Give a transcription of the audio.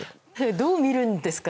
どう見るんですか？